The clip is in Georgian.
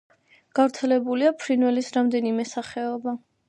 გავრცელებულია ფრინველის რამდენიმე სახეობა.